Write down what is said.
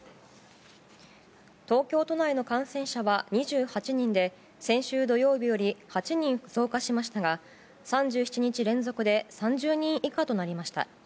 東京都内の感染者は２８人で先週土曜日より８人増加しましたが３７日連続で３０人以下となりました。